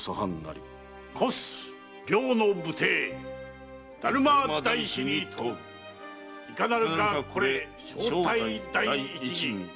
「挙す梁の武帝達磨大師に問う如何なるか是れ聖諦第一義」